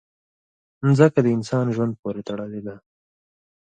مځکه د انسان ژوند پورې تړلې ده.